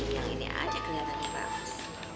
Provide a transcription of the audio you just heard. yang ini aja kelihatannya bagus